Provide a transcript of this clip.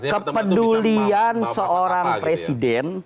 kepedulian seorang presiden